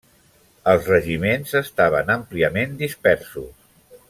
Els regiments estaven àmpliament dispersos.